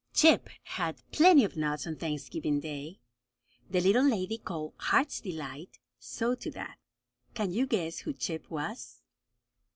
Chip had plenty of nuts on Thanksgiving Day. The little lady called Heart's Delight saw to that. Can you guess who Chip was?